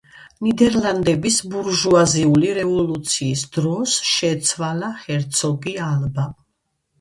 ნიდერლანდების ბურჟუაზიული რევოლუციის დროს შეცვალა ჰერცოგი ალბა.